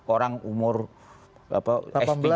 orang umur apa s tiga